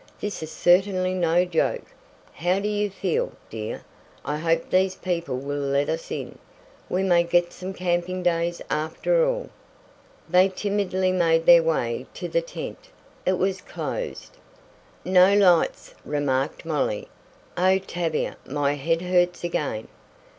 This is certainly no joke. How do you feel, dear? I hope these people will let us in. We may get some camping days after all." They timidly made their way to the tent. It was closed! "No lights," remarked Molly. "Oh, Tavia. My head hurts again!"